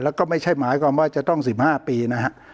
แล้วก็ไม่ใช่หมายความว่าจะต้อง๑๕ปีนะฮะ